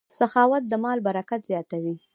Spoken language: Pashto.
سخاوت د مال برکت زیاتوي.